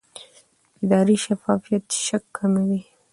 اداري شفافیت شک کموي